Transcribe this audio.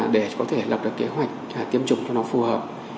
để có thể lập được kế hoạch tiêm chủng cho nó phù hợp